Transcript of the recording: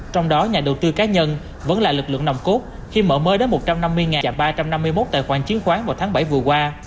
trong đó nhà đầu tư cá nhân vẫn là lực lượng nồng cốt khi mở mới đến một trăm năm mươi ba trăm năm mươi một tài khoản chứng khoán vào tháng bảy vừa qua